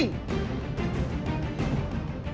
คุณดาวน์